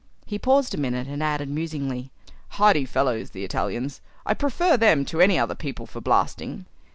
He paused a minute and added musingly, "Hardy fellows, the Italians. I prefer them to any other people for blasting."